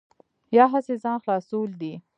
یا هسې ځان خلاصول دي.